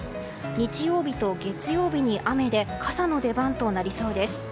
日曜日と月曜日に雨で傘の出番となりそうです。